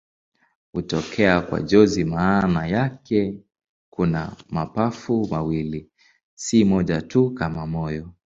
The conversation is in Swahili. Hutokea kwa jozi maana yake kuna mapafu mawili, si moja tu kama moyo.